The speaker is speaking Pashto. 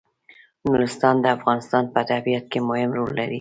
نورستان د افغانستان په طبیعت کې مهم رول لري.